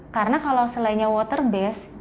karena kalau selainnya water based